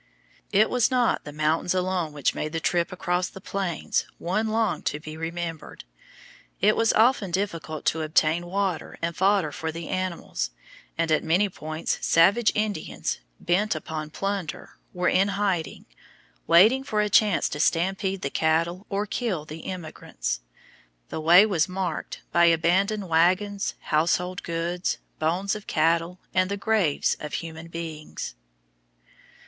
It was not the mountains alone which made the trip "across the plains" one long to be remembered. It was often difficult to obtain water and fodder for the animals, and at many points savage Indians, bent upon plunder, were in hiding, waiting for a chance to stampede the cattle or kill the emigrants. The way was marked by abandoned wagons, household goods, bones of cattle, and the graves of human beings.